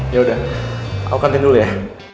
yaudah aku kantin dulu ya